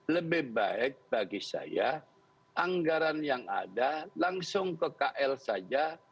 lebih baik bagi saya anggaran yang ada langsung ke kl saja